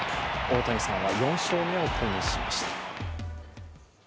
大谷さんは４勝目を手にしました。